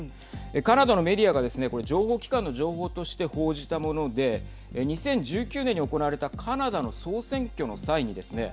カナダのメディアがですね情報機関の情報として報じたもので２０１９年に行われたカナダの総選挙の際にですね。